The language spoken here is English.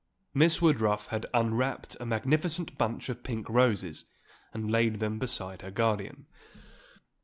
Miss Woodruff had unwrapped a magnificent bunch of pink roses and laid them beside her guardian.